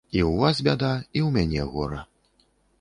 І ў вас бяда, і ў мяне гора.